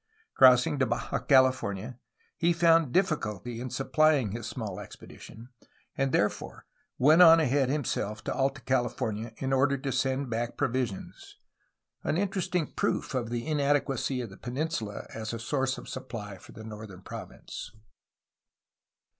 Crossing, to Baja California, he found difficulty in supplying his small expedition, and therefore 302 THE FOUNDING OF SAN FRANCISCO 303 went on ahead himself to Alta California in order to send back provisions — an interesting proof of the inadequacy of the peninsula as a source of supply for the northern province.